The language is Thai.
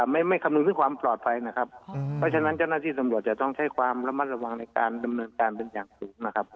ไม่คำนึงถึงความปลอดภัยนะครับเพราะฉะนั้นเจ้าหน้าที่สำรวจจะต้องใช้ความระมัดระวังในการดำเนินการเป็นอย่างสูงนะครับ